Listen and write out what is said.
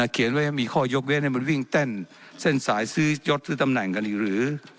เขียนไว้มีข้อยกเว้นให้มันวิ่งเต้นเส้นสายซื้อยศซื้อตำแหน่งกันอีกหรือ